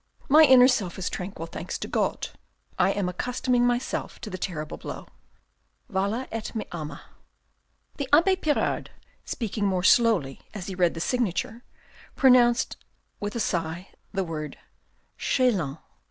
My inner self is tranquil, thanks to God. I am accustoming myself to the terrible blow, ' Vale et me ama.' " The abbe Pirard, speaking more slowly as he read the signature, pronounced with a sigh the word, " Chelan."